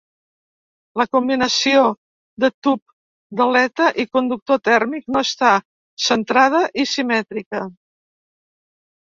La combinació de tub d'aleta i conductor tèrmic no està centrada i simètrica.